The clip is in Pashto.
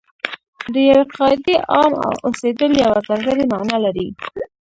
د یوې قاعدې عام اوسېدل یوه ځانګړې معنا لري.